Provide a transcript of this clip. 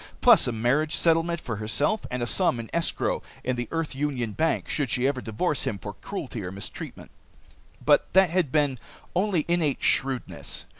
Plus a marriage settlement for herself, and a sum in escrow in the Earth Union bank, should she ever divorce him for cruelty or mistreatment. But that had been only innate shrewdness.